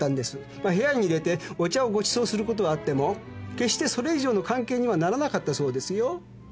まあ部屋に入れてお茶をごちそうすることはあっても決してそれ以上の関係にはならなかったそうですよ。